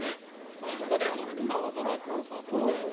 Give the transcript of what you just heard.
ほなそこで青空コンサートみたいに。